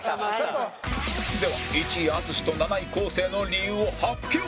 では１位淳と７位昴生の理由を発表